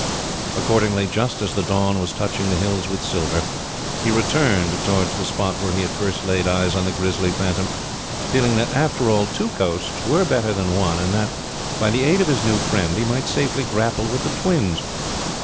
Accordingly, just as the dawn was touching the hills with silver, he returned towards the spot where he had first laid eyes on the grisly phantom, feeling that, after all, two ghosts were better than one, and that, by the aid of his new friend, he might safely grapple with the twins.